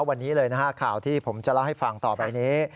วันนี้เลยนะฮะข่าวที่ผมจะเล่าให้ฟังต่อไปนี้